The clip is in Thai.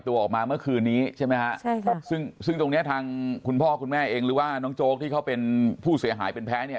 ทั้งคุณพ่อคุณแม่เองหรือว่าน้องโจ๊กที่เขาเป็นผู้เสียหายเป็นแพ้เนี่ย